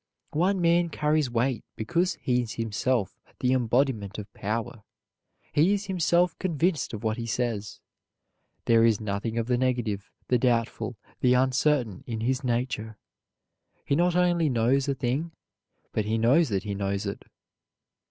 One man carries weight because he is himself the embodiment of power, he is himself convinced of what he says. There is nothing of the negative, the doubtful, the uncertain in his nature. He not only knows a thing, but he knows that he knows it.